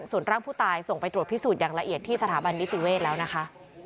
ส่วนร่างผู้ตายส่งไปตรวจพิสูจน์อย่างละเอียดที่สถาบันนิติเวศแล้วนะคะ